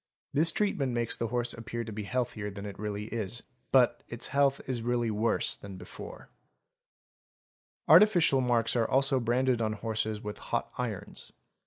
This treat ment makes the horse appear to be healthier than it really is, but its health is really worse than before, a ae HIDING DEFECTS 811 Artificial marks are also branded on horses with hot irons.